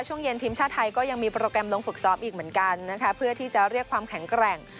ช่วงเย็นทีมชาติไทยก็ยังมีโปรแกรมลงฝึกซ้อมอีกเหมือนกันนะคะเพื่อที่จะเรียกความแข็งแกร่ง